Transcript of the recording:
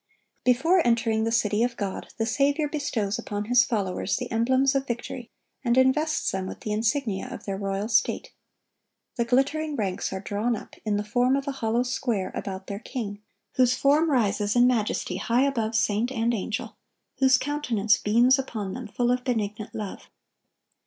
Before entering the city of God, the Saviour bestows upon His followers the emblems of victory, and invests them with the insignia of their royal state. The glittering ranks are drawn up, in the form of a hollow square, about their King, whose form rises in majesty high above saint and angel, whose countenance beams upon them full of benignant love.